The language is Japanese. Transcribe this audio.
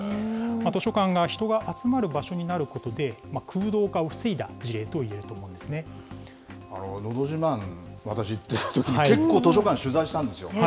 図書館が人が集まる場所になることで、空洞化を防いだ事例といえのど自慢、私ずっと結構図書館、取材したんですよ。